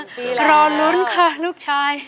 รอลุ้นค่ะลูกชาย